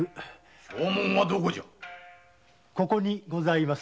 証文はここにございます。